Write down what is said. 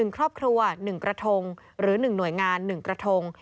๑ครอบครัว๑กระทงหรือ๑หน่วยงาน๑กระทง